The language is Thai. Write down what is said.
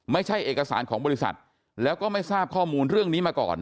ไม่ใช่เอกสารของบริษัทแล้วก็ไม่ทราบข้อมูลเรื่องนี้มาก่อน